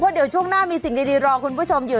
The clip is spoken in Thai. เดี๋ยวช่วงหน้ามีสิ่งดีรอคุณผู้ชมอยู่